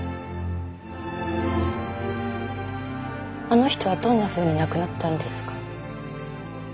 あの人はどんなふうに亡くなったんですか。